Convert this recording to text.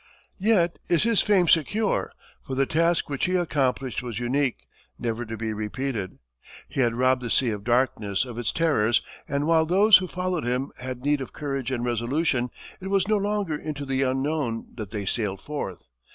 Yet is his fame secure, for the task which he accomplished was unique, never to be repeated. He had robbed the Sea of Darkness of its terrors, and while those who followed him had need of courage and resolution, it was no longer into the unknown that they sailed forth.